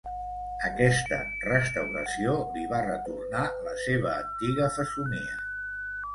Aquesta restauració li va retornar la seva antiga fesomia.